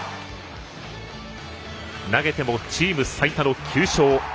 投げてもチーム最多の９勝。